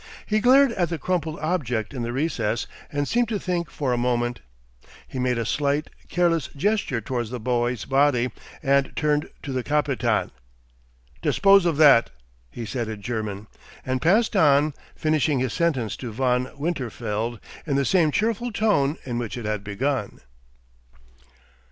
He glared at the crumpled object in the recess and seemed to think for a moment. He made a slight, careless gesture towards the boy's body and turned to the Kapitan. "Dispose of that," he said in German, and passed on, finishing his sentence to Von Winterfeld in the same cheerful tone in which it had begun.